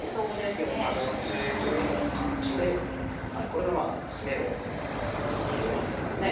４八銀というような感じでこれがまあ詰めろになりますからね。